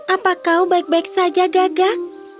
apakah kau baik baik saja gagak